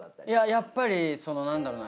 やっぱりなんだろうな。